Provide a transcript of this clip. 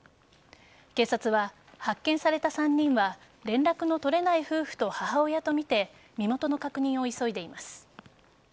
警察は、発見された３人は連絡の取れない夫婦と母親とみて身元の確認を急いでいます。